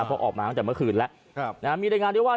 เพราะออกมาขั้นแต่เมื่อคืนแล้วนะฮะมีรายงานเรียกว่า